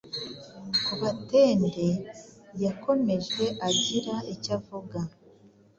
Kabatende yakomeje agira icyo avga